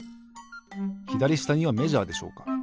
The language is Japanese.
ひだりしたにはメジャーでしょうか。